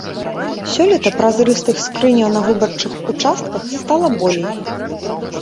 Сёлета празрыстых скрыняў на выбарчых участках стала болей.